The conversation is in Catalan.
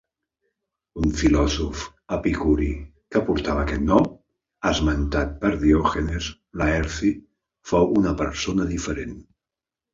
Un filòsof epicuri que portava aquest nom, esmentat per Diògenes Laerci, fou una persona diferent.